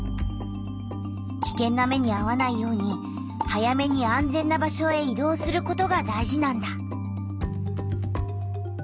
きけんな目にあわないように早めに安全な場所へ移動することが大事なんだ。